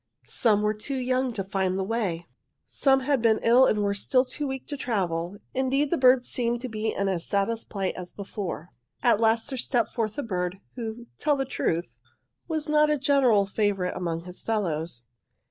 Some were too young to find the way. "'Some had been ill and were still too weak to travel. Indeed, the birds seemed to be in as sad a plight as before. "'At last there stepped forth a bird, who, truth to tell, was not a general favourite among his fellows.